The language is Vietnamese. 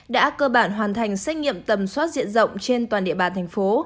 đã cơ bản hoàn thành xét nghiệm tầm soát diện rộng trên toàn địa bàn thành phố